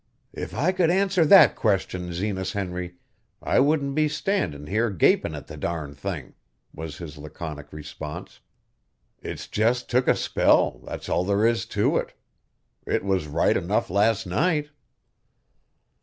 "If I could answer that question, Zenas Henry, I wouldn't be standin' here gapin' at the darn thing," was his laconic response. "It's just took a spell, that's all there is to it. It was right enough last night."